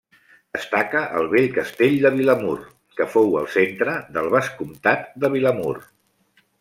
Destaca el vell castell de Vilamur, que fou el centre del Vescomtat de Vilamur.